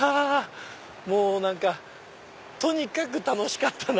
もう何かとにかく楽しかったな。